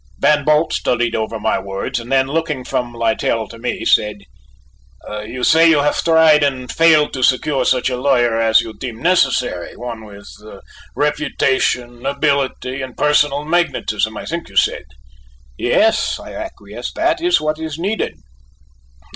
Van Bult studied over my words and then, looking from Littell to me, said: "You say you have tried and failed to secure such a lawyer as you deem necessary: one with reputation, ability, and personal magnetism, I think you said." "Yes," I acquiesced, "that is what is needed."